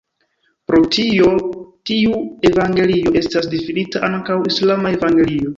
Pro tio tiu evangelio estas difinita ankaŭ "islama evangelio".